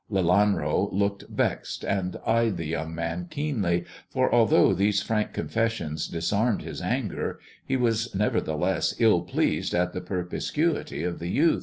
Lelanro looked vexed, and eyed the young man keenly, for although these frank confessions disarmed his anger, he was nevertheless ill pleased at the perspicuity of the youth.